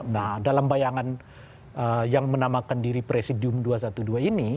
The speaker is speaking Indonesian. nah dalam bayangan yang menamakan diri presidium dua ratus dua belas ini